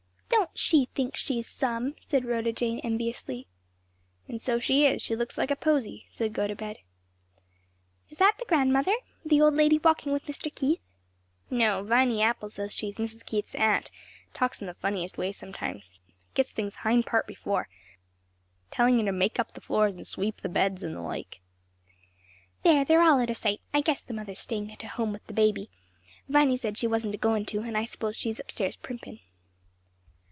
"Don't she think she's some!" said Rhoda Jane enviously. "And so she is; she looks like a posey," said Gotobed. "Is that the grandmother? the old lady walking with Mr. Keith." "No; Viny Apple says she's Mrs. Keith's aunt; and talks in the funniest way sometimes; gets things hind part before telling her to make up the floors and sweep the beds, and the like. "There they're all out o' sight. I guess the mother's stayin' to home with the baby; Viny said she wasn't agoin' to, and I s'pose she's up stairs primpin'."